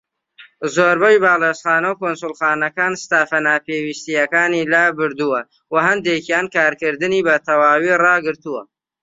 زۆربەی باڵوێزخانە و کونسوڵخانەکان ستافە ناپێوستیەکانی لابردووە، وە هەندێکیان کارکردنی بە تەواوی ڕاگرتووە.